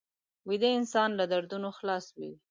ویده انسان له دردونو خلاص وي